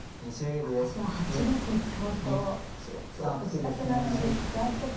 私は８六香と打ちたくなるんですがちょっと。